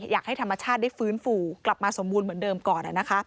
อยากให้ธรรมชาติได้ฟื้นฟูกลับมาสมบูรณ์เหมือนเดิมก่อน